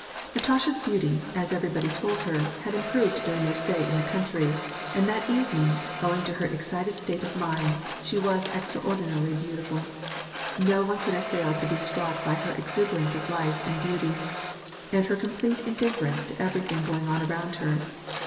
Natasha's beauty, as everybody told her, had improved dar ing their stay in the country, and that evening, owing to her excited state of mind, she was extraordinarily beautiful. No one could have failed to be struck by her exuberance of life and beauty, and her complete indifference to everything going on around her.